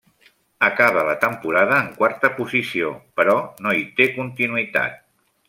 Acaba la temporada en quarta posició, però no hi té continuïtat.